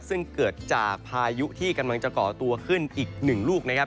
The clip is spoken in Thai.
ซึ่งเกิดจากพายุที่กำลังจะก่อตัวขึ้นอีกหนึ่งลูกนะครับ